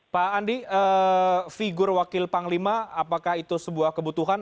pak andi figur wakil panglima apakah itu sebuah kebutuhan